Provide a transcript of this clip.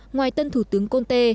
ngoài tân thủ tướng conte